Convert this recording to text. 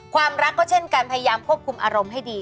ความรักก็เช่นกันพยายามควบคุมอารมณ์ให้ดี